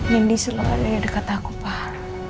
nindi selalu ada dekat aku pak